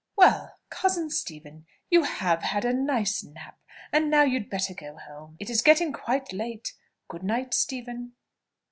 "Well, cousin Stephen, you have had a nice nap; and now you had better go home. It is getting quite late. Good night, Stephen."